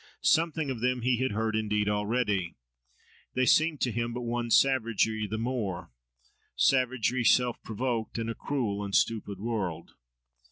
Something of them he had heard indeed already. They had seemed to him but one savagery the more, savagery self provoked, in a cruel and stupid world.